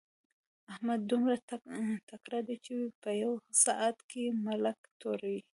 احمد دومره تکړه دی چې په يوه ساعت کې ملک توري.